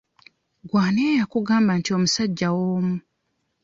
Gwe ani yakugamba nti omusajja w'omu?